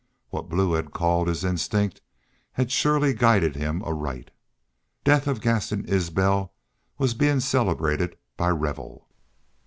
What Blue had called his instinct had surely guided him aright. Death of Gaston Isbel was being celebrated by revel.